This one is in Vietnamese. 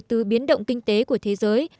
từ biến động kinh tế của thế giới